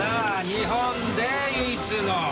日本で唯一の。